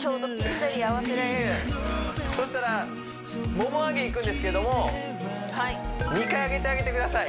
そしたらもも上げいくんですけども２回上げてあげてください